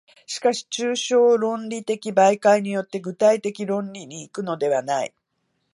しかし抽象論理的媒介によって具体的論理に行くのではない。